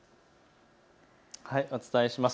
お伝えします。